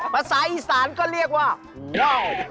ภาษาอีสานก็เรียกว่าน่อ